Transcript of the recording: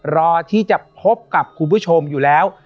รอที่จะพบกับคุณผู้ชมอยู่แล้ว